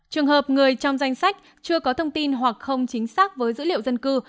trường hợp người trong danh sách chưa có thông tin hoặc không chính xác với dữ liệu dân cư